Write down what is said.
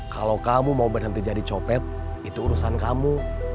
kalau kamu mau berhenti jadi copet itu urusan kamu